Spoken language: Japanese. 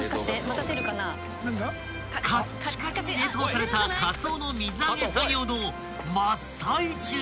［カッチカチに冷凍されたかつおの水揚げ作業の真っ最中］